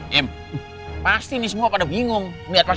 iyam pasti semua pada bingung macem zweite bulan